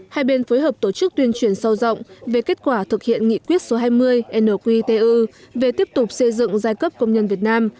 hai bên phối hợp tổ chức tuyên truyền sâu rộng về kết quả thực hiện nghị quyết số hai mươi nqtu về tiếp tục xây dựng giai cấp công nhân việt nam